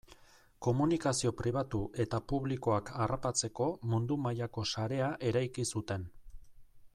Komunikazio pribatu eta publikoak harrapatzeko mundu mailako sarea eraiki zuten.